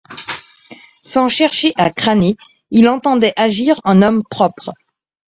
Sans chercher à crâner, il entendait agir en homme propre.